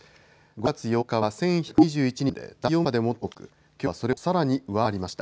５月８日は１１２１人で、第４波で最も多く、きょうはそれをさらに上回りました。